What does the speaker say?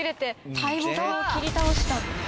大木を切り倒した。